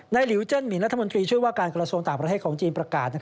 หลิวเจิ้นหมินรัฐมนตรีช่วยว่าการกระทรวงต่างประเทศของจีนประกาศ